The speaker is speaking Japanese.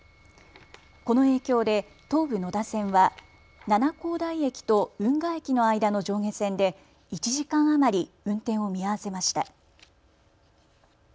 この影響で東武野田線は七光台駅と運河駅の間の上下線で１時間余り運転を見合わせました。